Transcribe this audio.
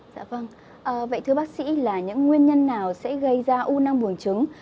dạ vâng vậy thưa bác sĩ là những nguyên nhân nào sẽ gây ra u nang bùng trứng